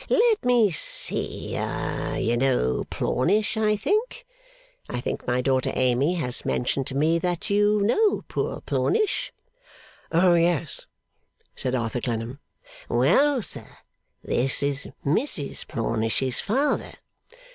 'Let me see. You know Plornish, I think? I think my daughter Amy has mentioned to me that you know poor Plornish?' 'O yes!' said Arthur Clennam. 'Well, sir, this is Mrs Plornish's father.